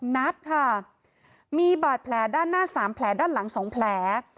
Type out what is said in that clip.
นัดค่ะมีบาดแผลด้านหน้า๓แผลด้านหลัง๒แผล